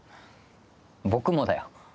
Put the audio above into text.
僕もだよ。